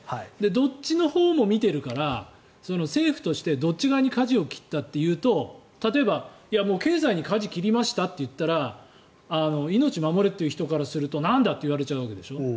どっちのほうも見てるから政府としてどっち側にかじを切ったかというと例えば、経済にかじを切りましたと言ったら命を守れという人からするとなんだって言われちゃうわけでしょ。